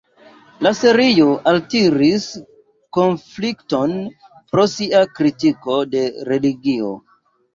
La serio altiris konflikton pro sia kritiko de religio.